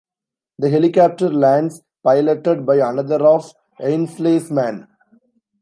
The helicopter lands, piloted by another of Ainsley's men.